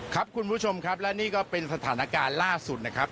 ครับคุณผู้ชมครับและนี่ก็เป็นสถานการณ์ล่าสุดนะครับ